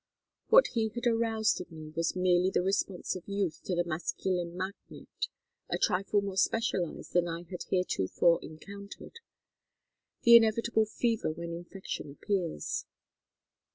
What he had aroused in me was merely the response of youth to the masculine magnet, a trifle more specialized than I had heretofore encountered; the inevitable fever when infection appears.